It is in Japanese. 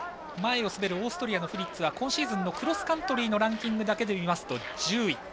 前を滑るオーストリアのフリッツは今シーズンのクロスカントリーのランキングだけでいうと１０位。